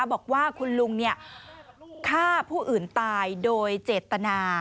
บอกว่าคุณลุงฆ่าผู้อื่นตายโดยเจตนา